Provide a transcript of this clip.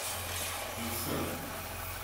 Nnsen.